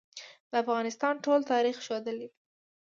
د افغانستان ټول تاریخ ښودلې ده.